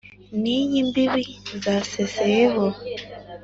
n' iy' imbibi zaseseyeho